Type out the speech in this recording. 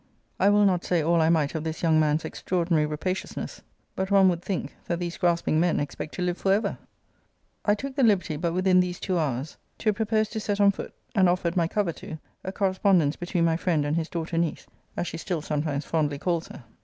I will not say all I might of this young man's extraordinary rapaciousness: but one would think, that these grasping men expect to live for ever! 'I took the liberty but within these two hours to propose to set on foot (and offered my cover to) a correspondence between my friend and his daughter niece, as she still sometimes fondly calls her.